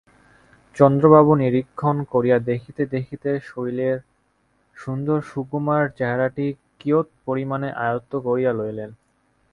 চন্দ্রবাবু নিরীক্ষণ করিয়া দেখিতে দেখিতে শৈলের সুন্দর সুকুমার চেহারাটি কিয়ৎপরিমাণে আয়ত্ত করিয়া লইলেন।